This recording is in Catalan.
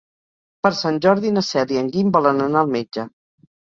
Per Sant Jordi na Cel i en Guim volen anar al metge.